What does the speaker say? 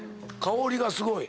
香りがすごい。